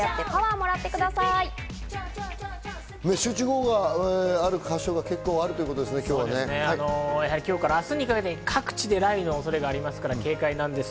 集中豪雨がある箇所、結構あ今日から明日にかけて各地で雷雨の恐れがありますから警戒です。